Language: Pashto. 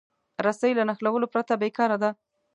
رسۍ له نښلولو پرته بېکاره ده.